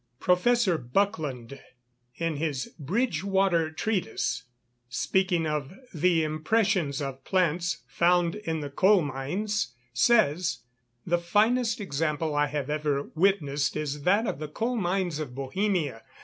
Professor Buckland, in his Bridgewater Treatise, speaking of the impressions of plants found in the coal mines, says; "The finest example I have ever witnessed is that of the coal mines of Bohemia.